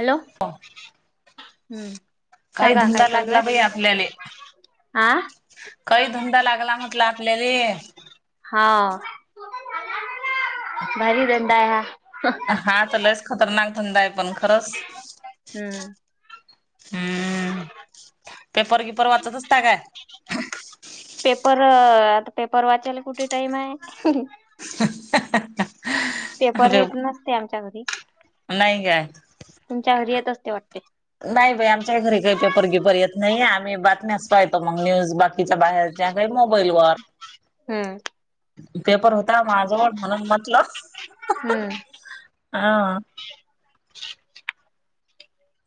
Hello हम्मं काही सांगा कायं धंदा चालूं लागला बाई आहे आं हां कांहीं धंदा लागलां म्हंटला आपल्यांला हां भारी धंदा आहे हां हां तरं लईस खतरनाक धंदा आहे पणं खरंच हम्मं पेपर किपर वाचतं असतां कायं पेपर आंता पेपर वाचांयला कुठे टाईम आहे हं हं हं पेपर हेेतं नसते आमच्यां घरी नाही काय तुमच्यां घरी येतं असते वाटते नाहीं बाई आमच्यां घरी कांहीं पेपर परी परर्यतं नाहीं आम्हीं बातमी पाहतो मगं न्यूंज बाकीच्या बाहेर त्यां कायं मोबाईल वरं हम्म पेपर होते माझंवडं म्हणूंन म्हटलं हम्म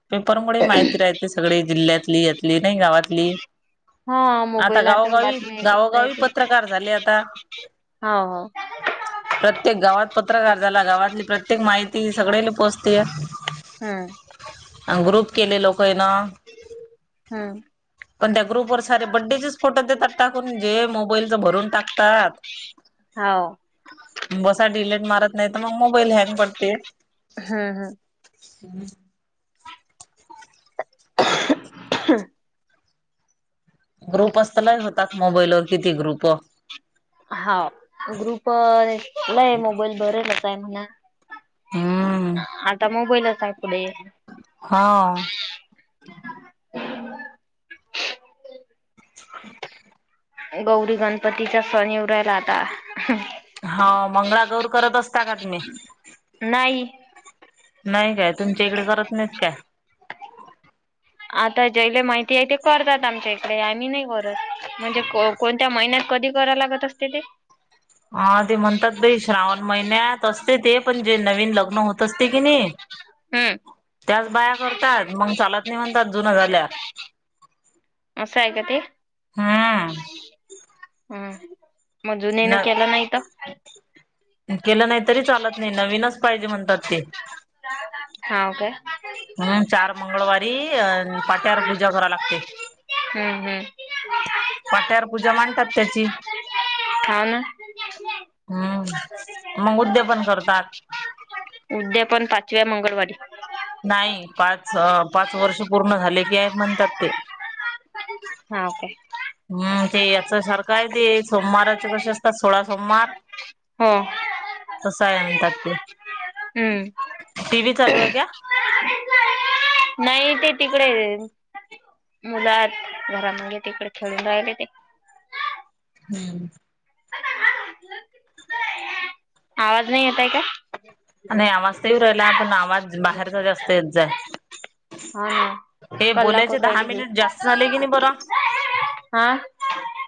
पेपरमुळे माहिती राहते सगळे जिल्ह्यांतली यांतली नाहीं गावांतली हा आंता मोबाईल आता गावोगावी बातमी येत असत गावोगावी येते पत्रकांर झाले आंता हो हो प्रत्येक गावांत पत्रकांर झालां गावांतली प्रत्येक माहिती सगळें कडे पोहोचते हम्म. अ ग्रुप केले लोकं आहे ना. हम्म. पण त्या सारे बड्डेचेच फोटो देतात टाकून जे मोबाईलचं भरून टाकतात. हा. बसा डिलेट मारत नाही तर मग मोबाईल हँग पडते. हम्म हम्म. [unintelligible] [unintelligible] ग्रुप असतलाही होतात मोबाईलवर किती ग्रुपं. हा ग्रुप लय आहे मोबाईल बरेलच आहे म्हणा. हम्म आता मोबाईलच आहे पुढे. हाव. [inaudible] गौरी गणपतीचा सण येऊरायला आता. हाव मंगळागौर करत असता का तुम्ही? नाही नाही काय तुमच्या इकडे करत नाहीत काय? आता जेयले माहिती आहे ते करतात आमच्या इकडे आम्ही नाही करत म्हणजे को कोणत्या महिन्यात कधी करा लागत असते ते? हा ते म्हणतात भाई श्रावण महिन्यात असते ते पण जे नवीन लग्न होत तसते की नाही हम्म त्याच बाया करतात मग चालत नाही म्हणतात जुना झाल्या. असं आहे का ते? हम्म हम्म म जुनेने न केलं नाहीत? केलं नाही तरी चालत नाही नवीनच पाहिजे म्हणतात ते. हाव काय. हम्म चार मंगळवारी अअन पाट्यावर पूजा करा लागते. हम्म हम्म. पाट्यार पूजा मांडतात त्याची. हाव ना. हम्म मग उद्यापन करतात. उद्यापन पाचव्या मंगळवारी. नाही पाच ह पाच वर्ष पूर्ण झाले की एक म्हणतात ते. [unintelligible] हाव काय. हम्म ते याचा सारखं आहे ते सोमवाराचे कसे असतात सोळा सोमवार हो. तसं आहे आणतात ते. हम्म. टी व्ही चालू आहे का नाही ते तिकडे मुलं आहेत घरा मध्ये तिकडे खेळून राहिले ते. हम्म. आवाज नाही येताय का? नाही आवाज तर येऊ राहिला आपण आवाज बाहेरचा जास्त येत जाय‌. हा ना. हे कल्ला बोलायचे करू दहा राहिले हे. मिनिट जास्त झाले की नाही बरा? हा.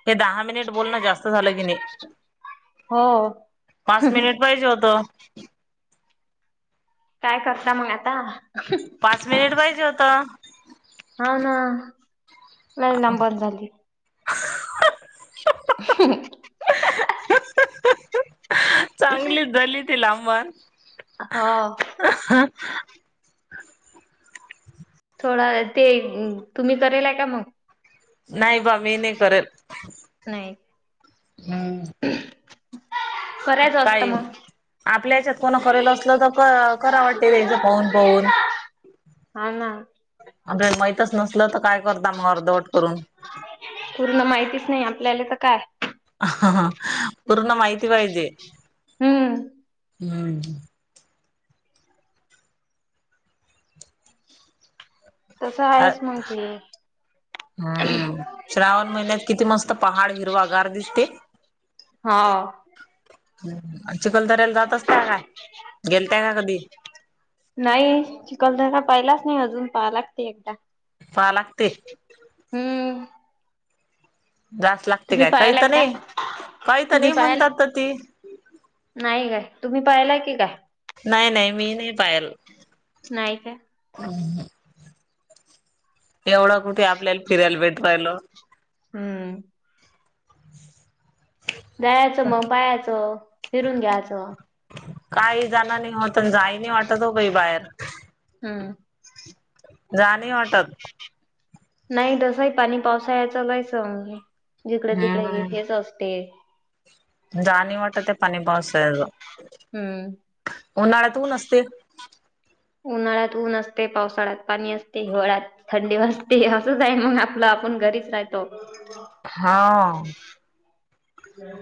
हे दहा मिनिट बोलनं जास्त झालं की नाही. हो पाच मिनिट पाहिजे होत. काय करता मग आता? पाच मिनिट पाहिजे होत. हाव ना, लय लांबड झाली. [inaudible] चांगलीच झाली ती लांबड. हो थोडा ते तुम्ही करेलाय का मग?. नाही बा मी नाही करल. नाही. नाही नाही. [unintelligible] आपल्या याच्यात कोणा करेल असलं, तर कराव वाटत त्याचं पाहून पाहून. हा ना. आपल्याले माहीतच नसलं, तर काय करता मग अर्धवट करून. पूर्ण माहितीच नाही आपल्याला तर काय हा हा पूर्ण माहिती पाहिजे. हुं. हुं. तसं अ. आहेच मग ते. हां. श्रावण महिन्यात किती मस्त पहाड हिरवा गार दिसते? हा. चिखलदऱ्याला जात असत्या काय? गेलत्या का कधी? नाही चिखलदरा पाहिलाच नाही अजून. पाहायला लागतंय एकदा. पाहा लागतय. हुं. रास लागतय तुम्ही काय काही पाहालाय तर का? नाही, काही तर तुम्ही नाही पाहालाय? म्हणतात तर ती. नाही काय तुम्ही पाहिलाय की काय? नाही नाही. मी नाही पाह्यला. नाही काय? हुं. एवढा कुठे आपल्याला फिरायला भेटू राहिलो. हूम. जायाचं मग पाह्याचं, फिरून घ्यायचं. काही जाण नाही होत. जाई नाही वाटत हो काही बाहेर. हं. जा णी वाटत. नाही तसंही, पाणी पावसाळ्याच स जिकडे तिकडे हेच असते. जाणी वाटत ते पनी पावसाळ्यांच. हूम. उन्हाळ्यात ऊन असते. उन्हाळ्यात ऊन असते. पावसाळ्यात पाणी असते. हिवाळ्यात थंडी वाजती असंच आहे मग आपलं. आपण घरीच राहतो. हा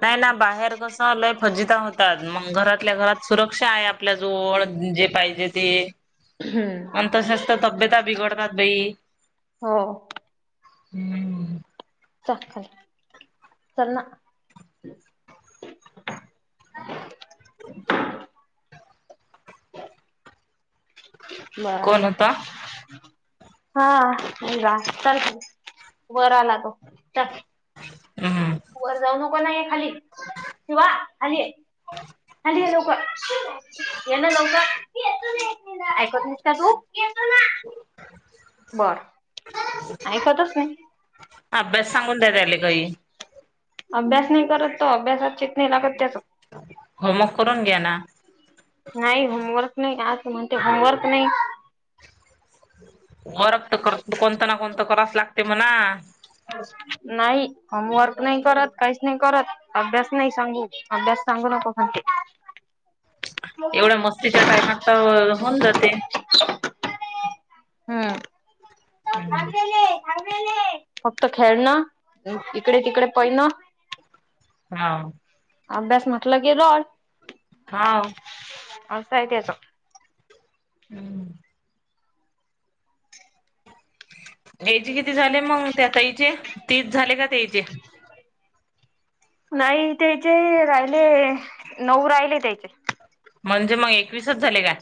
नाही ना, बाहेर कस हा लय फजिता होतात, मग घरातल्या घरात सुरक्षा आहे आप आपल्या जवळ जे पाहिजे ते. हम्म आणि तसंच तब्यता बिघडतात बई. हो. हम्म चाटकन चला [inaudible] बर कोण होता [inaudible] वर आला तो. हा वर जाऊ नको ना ये खाली शिवा खाली ये. [unintelligible] लोक ऐकत नाहीस का तु [inaudible] बर ऐकतच नाही. अभ्यास सांगून द्या राहीली बाई. अभ्यास नाही करत तो अभ्यासात चित्त नाही लागत त्याचं. होमवर्क करून घ्या ना. नाही होमवर्क नाही, आज म्हणते होमवर्क नाही. [inaudible] [unintelligible] नाही होमवर्क नाही करत काहीच नाही करत अभ्यास नाही सांगू अभ्यास सांगू नको. [unintelligible] एवढ्या मस्तीच्या टाइमात तर होऊन जाते. हम् [inaudible] फक्त खेळन, इकडे तिकडे पळन. हा अभ्यास म्हटलं की रॉड. हा असाय तेच हम्म त्याचे किती झाले मग त्या ताईचे, तीस झाले का ताईचे? नाही त्याचे राहिले नऊ राहिले त्याचे. म्हणजे मग एकवीसच झाले का?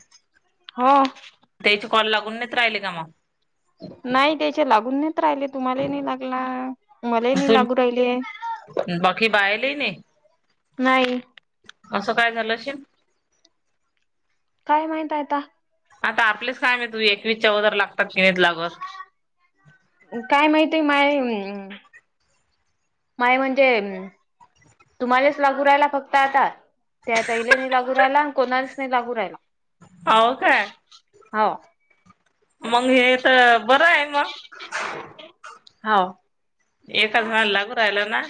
हो तेच कॉल लागून नाही राहिले का. नाही त्याच्या लागून नाहीत राहिले, तुम्हालाही नाही लागला मलाही नाही लागू राहिले. बाकी बाहे लेनी [inaudible] नाही. असं काय झालं असशील. काय माहित आता. आता आपलेच कायम आहे तू एकवीस चौ काय माहितीय माय माय म्हणजे, तुम्हालाच लागू राहिला फक्त आता, त्यातैलेने लागू राहिला आणि कोणालाच नाही लागू राहिला. हो काय हाव. मग हे तर बरं आहे मग, हो एकाच लागू राहिला ना,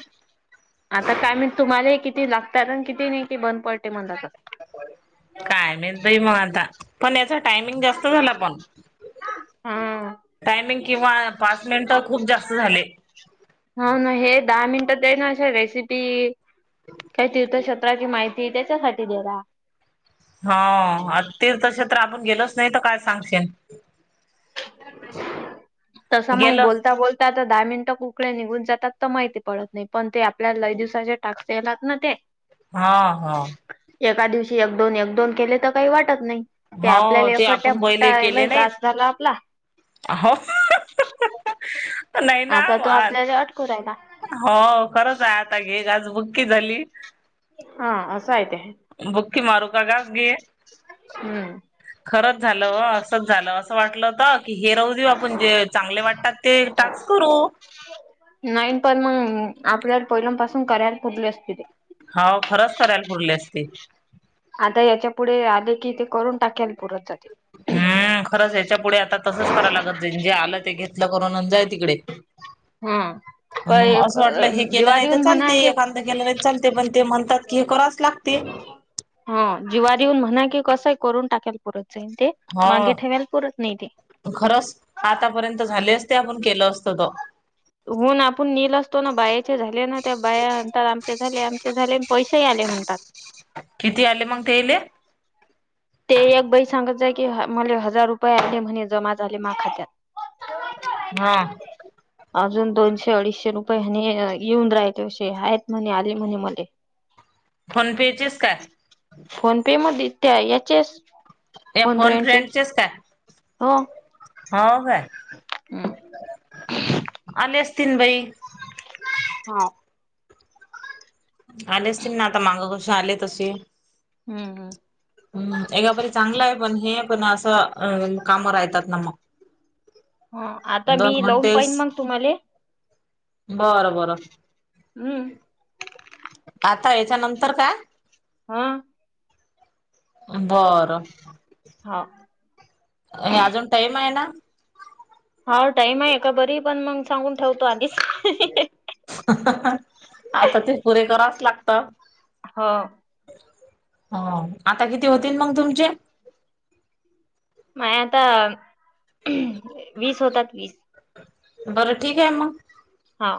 आता काय म्हणे तुम्हाला किती लागतात आणि किती नाही की बंद पडतेे म्हणतात. काय माहित बुआ आता पण याचा टायमिंग जास्त झाला पण, हा टायमिंग किंवा पाच मिनिट खूप जास्त झाले. हो ना हे दहा मिनिट तेना अस रेसिपी काही तीर्थक्षेत्राची माहिती त्याच्यासाठी गेला. हा आणि तीर्थक्षेत्र आपण गेलोच नाही तर काय सांगशन. [unintelligible] तसं मग गेलं बोलता बोल आता दहा मिनिटं कुकडे निघून जातात तर माहिती पडत नाही पण ते आपल्याला लय दिवसाचे टाकलात ना ते हा हा एका दिवशी एक दोन एक दोन केले तर काही वाटत नाही. ते हो आपल्याला ते एखट्या आपण मोठा पहिले [unintelligible] झाला आपला, ह नाही ना, करायला, हो खरंच आहे आता घे ग आज बुक्की झाली, हा अस हाय ते. बुक्की मारू का घास घी, हम्म [unintelligible] खरंच झालं ओ असंच झालं असं वाटलं होतं हे राह देऊ आपण जे चांगले वाटतात ते टास्क करू. नाहीन पण मग आपल्या पहिल्यापासून क्यार पडली असते ते, हाव खरंच करायला पुरले असते. आता याच्या पुढे आले कि ते करून टाकाल पुरत जाते. हम्म खरंच या्याच्या पुढे आता तसंच करायला लागत जे आलं ते घेतलं करून आणि जाय तिकडे. [inaudible] हम काय असं वाटलं हे केलं जीवार नाही तर येऊन म्हणा चालते की एखांत केलं नाही चाल ते पण ते म्हणतात की हे करावच लागते. ह जीवारी येऊन म्हणा की कसंय करून टाकाेल पुरत जाईन ते, हो मागे ठेवायला पुरत नाही ते. खरंच आतापर्यंत झाले असते आपण केलं असतो त. होना आपण निल असतो ना बायाचे झाले ना त्या बाया म्हणतात आमचे झाले आमचे झाले आणि पैसेही आले म्हणतात. किती आले मग तेले? ते एक बाई सांगत जाय की मला हजार रुपये आले महिने जमा झाले मा खात्यात. हा अजून दोनशे अडीचशे रुपये आणि येऊन राहातेवे आहेत म्हणे आले म्हणे मले. फोन पे चेच काय? फोन पे मध्ये त्या याचेस ते फोन फ्रेंडचेस काय? हो हो काय हम्म. आले आसतीन बाई. हा आले असतील ना आता मागं कसे आले तसे. हम् हम हम्म एका बरी चांगलं आहे पण हे पण असं अ काम राहतात ना मग, ह आता मी दोन लावून फाईन घंटेस मग तुम्हाले? बरं बरं. हम्म. आता हेच्यानंतर काय? हम्म. बरं. हो. हे अजून टाइम आहे ना? हा टाईम आहे ए का बरी पण मग सांगून ठेवतो आधीच. अहं अहं आता ते पुरे करावंच लागतं. हो. हो. आता किती होतील मग तुमचे? माय आता वीस होतात की. बरं ठीक आहे मग. हा.